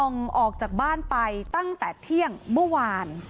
ปี๖๕วันเกิดปี๖๔ไปร่วมงานเช่นเดียวกัน